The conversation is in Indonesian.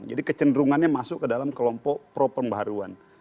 jadi kecenderungannya masuk ke dalam kelompok pro pembaruan